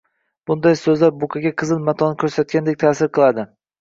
Bunday so‘zlar buqaga qizil matoni ko‘rsatgandek ta’sir qiladi.